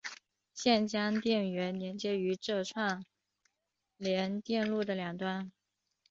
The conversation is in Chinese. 现将电源连接于这串联电路的两端。